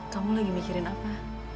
kamu lagi mikirin apa